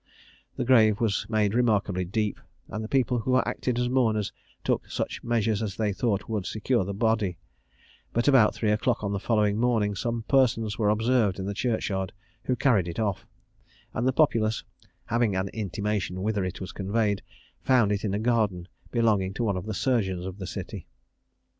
The grave was made remarkably deep, and the people who acted as mourners took such measures as they thought would secure the body; but about three o'clock on the following morning some persons were observed in the church yard, who carried it off; and the populace, having an intimation whither it was conveyed, found it in a garden belonging to one of the surgeons of the city.